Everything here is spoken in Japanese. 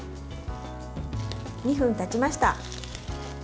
２分たちました。